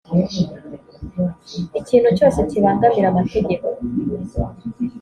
ikintu cyose kibangamira amategeko